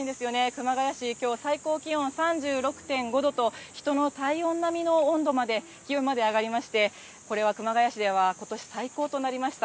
熊谷市、きょう最高気温３６．５度と、人の体温並みの温度まで、気温まで上がりまして、これは熊谷市では、ことし最高となりました。